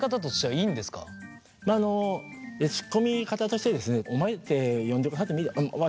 まあツッコミ方としてですねお前って呼んでくださってもいいよ